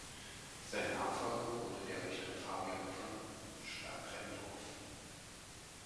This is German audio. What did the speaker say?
Sein Nachfolger wurde der Richter Fabian von Schlabrendorff.